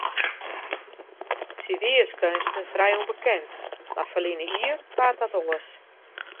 Sy wie as keunstner frij ûnbekend, mar ferline jier waard dat oars.